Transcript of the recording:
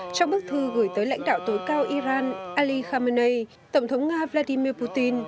trong bức thư gửi tới lãnh đạo tối cao iran ali khamenei tổng thống nga vladimir putin